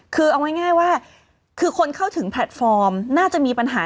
คือเอาง่ายว่าคือคนเข้าถึงแพลตฟอร์มน่าจะมีปัญหา